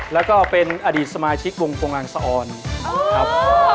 แล้วก็เป็นอดีตสมาชิกวงพงรังสะออนครับ